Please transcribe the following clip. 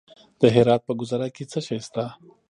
د هرات په ګذره کې څه شی شته؟